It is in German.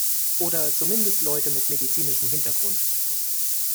Oder zumindest Leute mit medizinischem Hintergrund.